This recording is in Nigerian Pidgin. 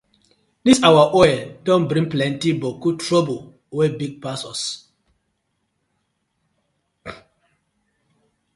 Dis our oil don bring plenti boku toruble wey big pass us.